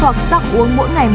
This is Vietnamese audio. hoặc sắc uống mỗi ngày